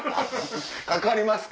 かかりますか？